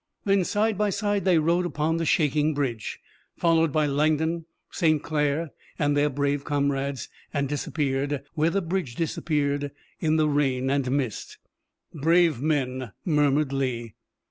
Then, side by side, they rode upon the shaking bridge, followed by Langdon, St. Clair and their brave comrades, and disappeared, where the bridge disappeared, in the rain and mist. "Brave men!" murmured Lee.